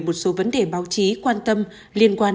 một số vấn đề báo chí quan tâm liên quan